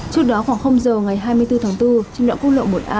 trước đó khoảng giờ ngày hai mươi bốn tháng bốn trên đoạn quốc lộ một a